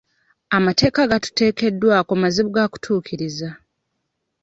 Amateeka agaatuteekeddwako mazibu gaakutuukiriza.